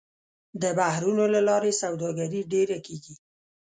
د بحرونو له لارې سوداګري ډېره کېږي.